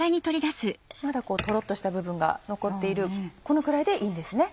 まだトロっとした部分が残っているこのくらいでいいんですね。